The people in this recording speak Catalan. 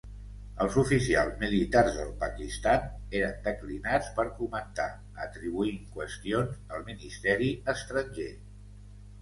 Els oficials militars del Pakistan eren declinats per comentar, atribuint qüestions al ministeri estranger.